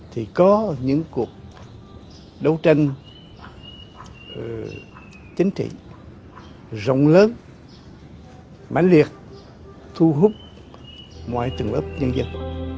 thì có những cuộc đấu tranh chính trị rộng lớn mạnh liệt thu hút mọi trường ấp nhân dân